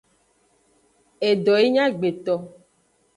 Edo yi nyi agbeto.